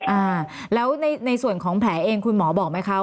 อ่าแล้วในส่วนของแผลเองคุณหมอบอกไหมคะ